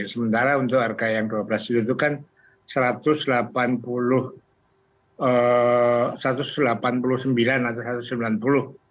sementara untuk harga yang dua belas itu kan satu ratus delapan puluh sembilan atau satu ratus sembilan puluh